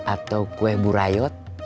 atau kueh bu rayot